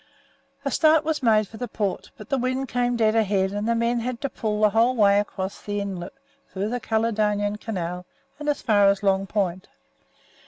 A start was made for the port, but the wind came dead ahead, and the men had to pull the whole way across the inlet, through the Caledonian Canal, and as far as Long Point.